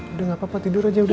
udah gapapa tidur aja udah